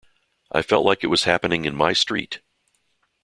It felt like it was happening in my street.